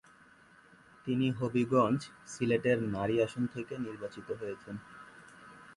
তিনি হবিগঞ্জ-সিলেটের নারী আসন থেকে নির্বাচিত হয়েছেন।